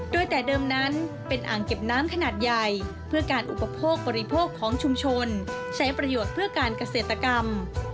โดยแต่เดิมนั้นเป็นอ่างเก็บน้ำขนาดใหญ่เพื่อการอุปโภคบริโภคของชุมชนใช้ประโยชน์เพื่อการเกษตรกรรม